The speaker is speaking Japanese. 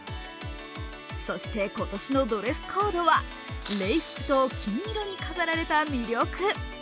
そして、今年のドレスコードは礼服と金色に飾られた魅力。